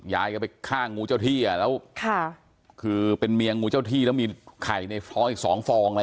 ยายกันไปค่างงูเจ้าที่อ่ะแล้วค่ะคือสองฟองอะไรแบบนี้นะฮะ